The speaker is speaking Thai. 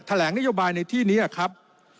แหลงนโยบายในที่นี้ครับ